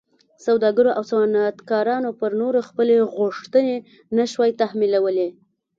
سوداګرو او صنعتکارانو پر نورو خپلې غوښتنې نه شوای تحمیلولی.